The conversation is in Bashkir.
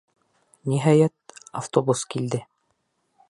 Ниһайәт, автобус килде.